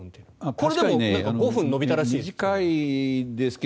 これでも５分延びたらしいですが。